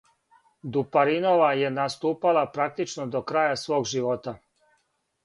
Дупаринова је наступала практично до краја свог живота.